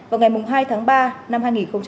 vào ngày hai tháng ba năm hai nghìn hai mươi